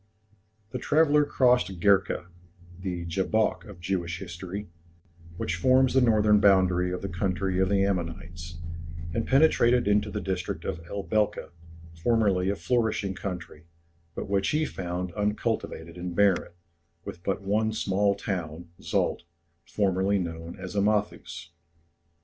The traveller crossed Gerka the Jabok of Jewish history which forms the northern boundary of the country of the Ammonites, and penetrated into the district of El Belka, formerly a flourishing country, but which he found uncultivated and barren, with but one small town, Szalt, formerly known as Amathus.